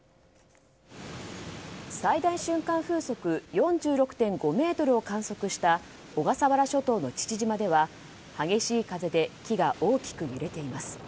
最大瞬間風速４６．５メートルを観測した小笠原諸島の父島では激しい風で木が大きく揺れています。